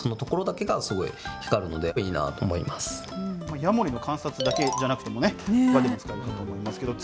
ヤモリの観察だけじゃなくてもね、ほかでも使えると思いますけどね。